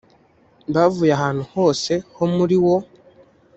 bavuye ahantu hose ho muri wo